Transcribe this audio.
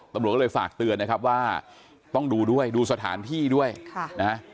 ตำรวจก็เลยฝากเตือนนะครับว่าต้องดูด้วยดูสถานที่ด้วยค่ะนะฮะ